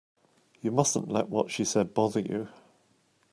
You mustn't let what she said bother you.